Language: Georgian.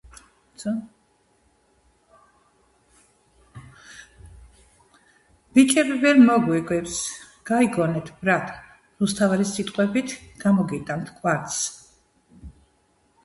ბიჭები ვერ მოგვიგებს გაიგონეთ ბრატ რუსთაველის სიტყვებით გამოგიტანთ კვართს